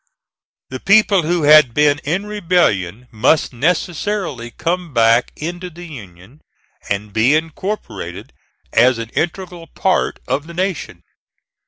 The people who had been in rebellion must necessarily come back into the Union, and be incorporated as an integral part of the nation.